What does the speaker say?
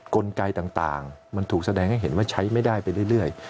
กลไกต่างมันถูกแสดงให้เห็นว่าใช้ไม่ได้ไปเรื่อย